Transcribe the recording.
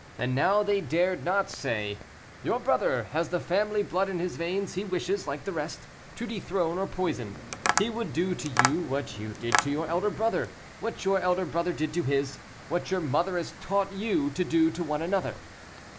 And now they dared not say, "Your brother has the family blood in his veins; he wishes, like the rest, to dethrone or poison; he would do to you what you did to your elder brother; what your elder brother did to his, what your mother has taught you to do to one another."